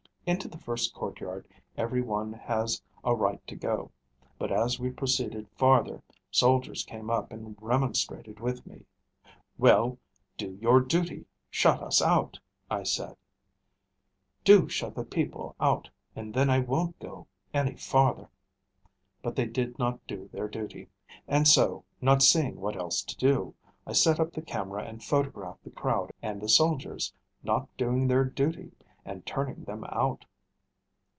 Into the first courtyard every one has a right to go; but as we proceeded farther, soldiers came up and remonstrated with me. "Well, do your duty shut us out," I said. "Do shut the people out, and then I won't go any farther." But they did not do their duty; and so, not seeing what else to do, I set up the camera and photographed the crowd and the soldiers, not doing their duty and turning them out.